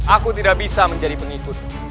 aku tidak bisa menjadi pengikut